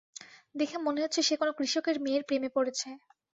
দেখে মনে হচ্ছে সে কোন কৃষকের মেয়ের প্রেমে পড়েছে।